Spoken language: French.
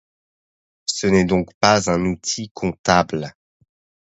Ce n’est donc pas un outil comptable.